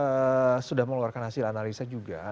kita sudah mengeluarkan hasil analisa juga